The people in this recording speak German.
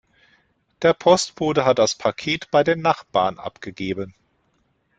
Der Postbote hat das Paket bei den Nachbarn abgegeben.